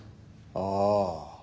ああ。